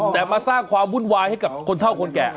แต่มาสร้างความวุ่นวายให้กับคนเท่าคนแก่